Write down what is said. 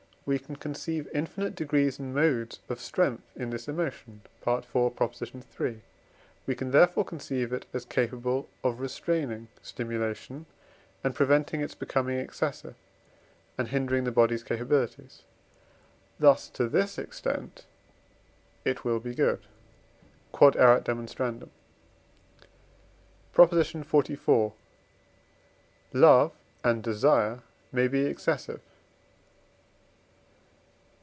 we can conceive infinite degrees and modes of strength in this emotion (IV. iii.); we can, therefore, conceive it as capable of restraining stimulation, and preventing its becoming excessive, and hindering the body's capabilities; thus, to this extent, it will be good. Q.E.D. PROP. XLIV. Love and desire may be excessive.